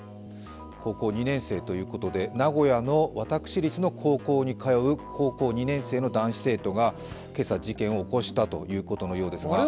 高校２年生ということで名古屋の私立の高校に通う高校２年生の男子生徒が今朝事件を起こしたということのようです。